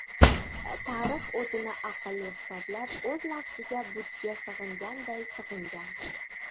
Tarix o‘zini aqlli hisoblab, o‘z nafsiga butga sig‘inganday sig‘ingan